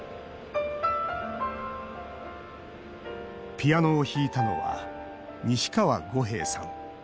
ピアノを弾いたのは西川悟平さん。